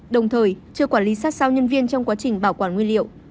đồng thời chưa quản lý sát sao nhân viên trong quá trình bảo quản nguyên liệu